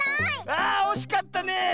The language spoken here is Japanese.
あおしかったね！